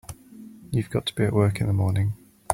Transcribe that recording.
You've got to be at work in the morning.